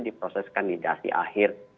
diproseskan di dasi akhir